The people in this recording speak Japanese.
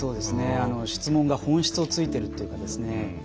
質問が本質を突いているというかですね。